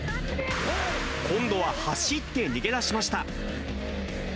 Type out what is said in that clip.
今度は走って逃げ出しました。